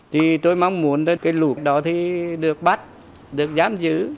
thì tôi mong muốn cái lục đó thì được bắt được giam giữ